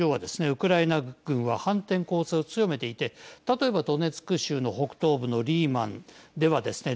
ウクライナ軍は反転攻勢を強めていて例えば、ドネツク州の北東部のリーマンではですね